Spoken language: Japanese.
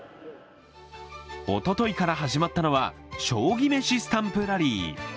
おとといから始まったのは将棋めしスタンプラリー。